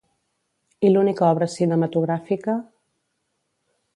I l'única obra cinematogràfica?